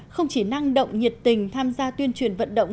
không chỉ năng động nhiệt tình tham gia tuyên truyền vận động